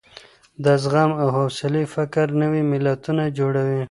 د زغم او حوصلې فکر نوي ملتونه جوړوي.